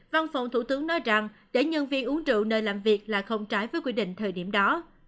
văn phòng thủ tướng nói rằng để nhân viên uống rượu nơi làm việc là không trái với quy định thời điểm đó